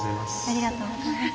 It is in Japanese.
ありがとうございます。